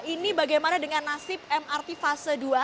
ini bagaimana dengan nasib mrt fase dua